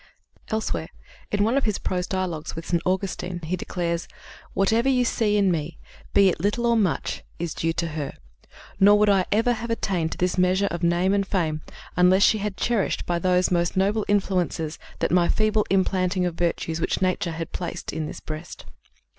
Elsewhere in one of his prose dialogues with St. Augustine he declares, "Whatever you see in me, be it little or much, is due to her; nor would I ever have attained to this measure of name and fame unless she had cherished by those most noble influences that my feeble implanting of virtues which nature had placed in this breast."